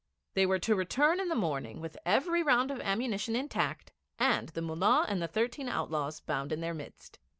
They were to return in the morning with every round of ammunition intact, and the Mullah and the thirteen outlaws bound in their midst.